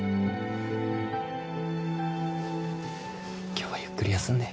今日はゆっくり休んで。